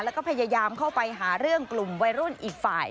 แล้วก็พยายามเข้าไปหาเรื่องกลุ่มวัยรุ่นอีกฝ่าย